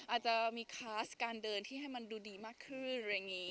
อาจจะมีคลาสการเดินที่ให้มันดูดีมากขึ้นอะไรอย่างนี้